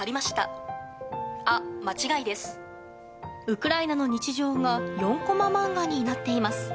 ウクライナの日常が４コマ漫画になっています。